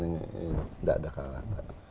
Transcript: gak ada kalah kalah